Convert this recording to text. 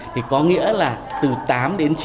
thì có nghĩa là từ tám đến chín